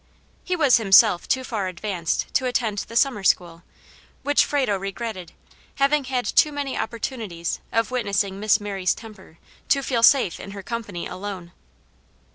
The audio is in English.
He was himself too far advanced to attend the summer school, which Frado regretted, having had too many opportunities of witnessing Miss Mary's temper to feel safe in her company alone.